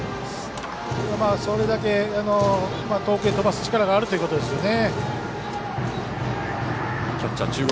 それだけ、遠くへ飛ばす力があるということですよね。